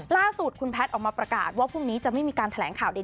ล่าสุดคุณแพทย์ออกมาประกาศว่าพรุ่งนี้จะไม่มีการแถลงข่าวใด